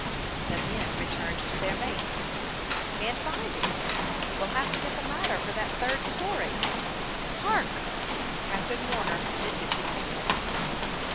The men returned to their mates. "Can't find him. We 'll have to get the ladder for that third story." "Hark!" Captain Warner lifted his hand.